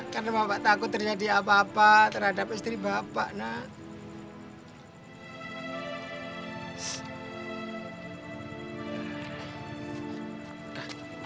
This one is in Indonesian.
karena bapak takut terjadi apa apa terhadap istri bapak nak